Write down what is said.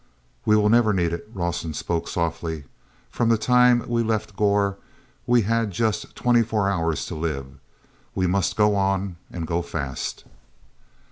"We will never need it," Rawson spoke softly. "From the time we left Gor we had just twenty four hours to live. We must go on, and go fast."